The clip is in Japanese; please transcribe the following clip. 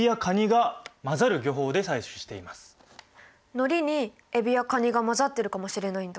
のりにエビやカニが混ざってるかもしれないんだ。